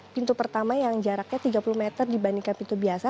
pintu pertama yang jaraknya tiga puluh meter dibandingkan pintu biasa